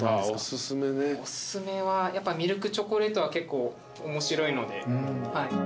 おすすめはやっぱミルクチョコレートは結構面白いのではい。